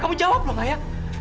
kamu jawab dong ayah